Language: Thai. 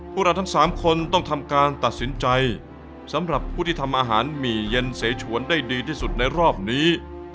พวกเราทั้ง๓คนต้องทำการตัดสินใจสำหรับผู้ที่ทำอาหารหมี่เย็นเสฉวนได้ดีที่สุดในรอบนี้